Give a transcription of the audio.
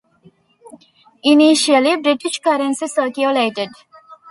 Initially, British currency circulated.